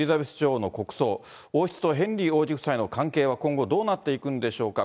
王室とヘンリー王子夫妻との関係は今後どうなっていくんでしょうか。